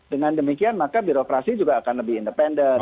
dengan demikian maka birokrasi juga akan lebih independen